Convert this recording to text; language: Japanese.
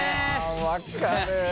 分かる。